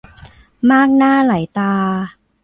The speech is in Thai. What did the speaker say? มากหน้าหลายตา